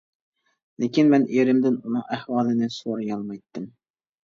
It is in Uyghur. لېكىن مەن ئېرىمدىن ئۇنىڭ ئەھۋالىنى سورىيالمايتتىم.